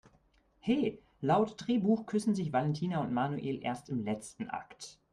He, laut Drehbuch küssen sich Valentina und Manuel erst im letzten Akt!